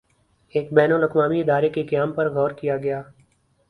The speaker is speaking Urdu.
ایک بین الاقوامی ادارے کے قیام پر غور کیا گیا